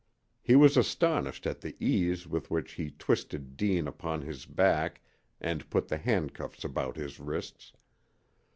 He was astonished at the ease with which he twisted Deane upon his back and put the handcuffs about his wrists.